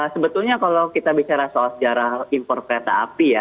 sebetulnya kalau kita bicara soal sejarah impor kereta api ya